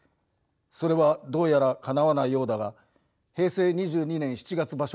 それはどうやらかなわないようだが平成２２年七月場所